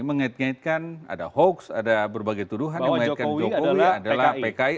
mengait ngaitkan ada hoax ada berbagai tuduhan yang mengaitkan jokowi adalah pki